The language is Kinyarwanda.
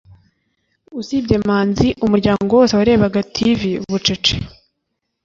usibye manzi, umuryango wose warebaga tv bucece